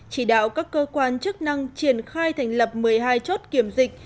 chỉ đạo các cơ quan chức năng triển khai thành lập một mươi hai chốt kiểm dịch